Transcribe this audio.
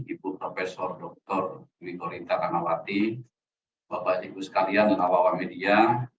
ibu profesor dr wiko rinta rangawati bapak ibu sekalian dan awal awal media